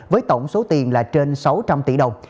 với tổng số tiền là trên sáu trăm linh tỷ đồng